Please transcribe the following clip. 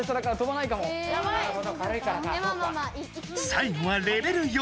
最後はレベル４。